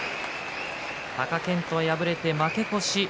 貴健斗は敗れて負け越し。